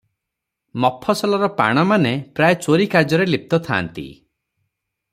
ମଫସଲର ପାଣମାନେ ପ୍ରାୟ ଚୋରି କାର୍ଯ୍ୟରେ ଲିପ୍ତ ଥାନ୍ତି ।